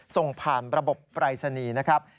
ส่งผ่านระบบปรายศนีย์นะครับ